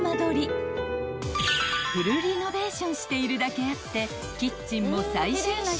［フルリノベーションしているだけあって］